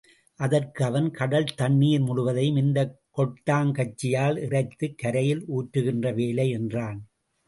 அதற்கு அவன், கடல் தண்ணீர் முழுவதையும் இந்தக் கொட்டாங்கச்சியால் இறைத்துக் கரையில் ஊற்றுகின்ற வேலை என்றான்.